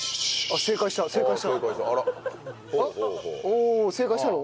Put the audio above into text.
おお正解したの？